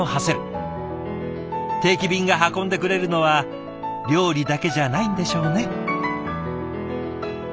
定期便が運んでくれるのは料理だけじゃないんでしょうね。